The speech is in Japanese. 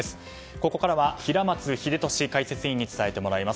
ここからは平松秀敏解説委員に伝えてもらいます。